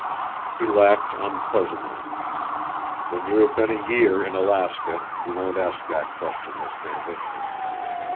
He laughed unpleasantly. "When you have been a year in Alaska you won't ask that question, Miss Standish.